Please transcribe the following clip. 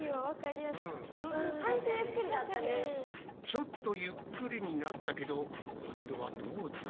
ちょっとゆっくりになったけど今度はどうだ？